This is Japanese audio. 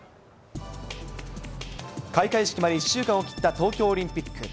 開会式まで１週間を切った東京オリンピック。